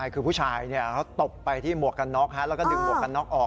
คือผู้ชายเขาตบไปที่หมวกกันน็อกแล้วก็ดึงหมวกกันน็อกออก